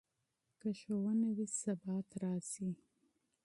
که ښوونه وي، ثبات راځي.